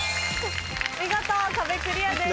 見事壁クリアです。